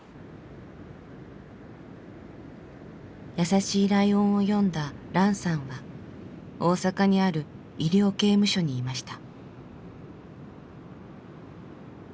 「やさしいライオン」を読んだランさんは大阪にある医療刑務所にいました。